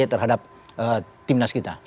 terhadap timnas kita